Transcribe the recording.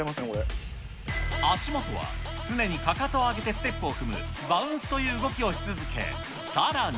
レクチャーだけでもうかなり足元は、常にかかとを上げてステップを踏むバウンスという動きをし続け、さらに。